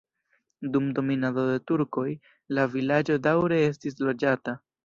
Dum dominado de turkoj la vilaĝo daŭre estis loĝata.